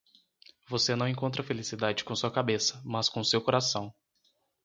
Você não encontra felicidade com sua cabeça, mas com seu coração.